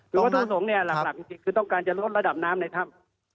หรือว่าทุนสงฆ์หลักจริงคือต้องการจะลดระดับน้ำในทัพ